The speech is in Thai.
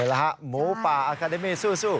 เดินแล้วครับหมู่ป่าอคาเดมี่สู้สู้